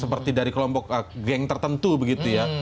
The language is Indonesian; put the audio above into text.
seperti dari kelompok geng tertentu begitu ya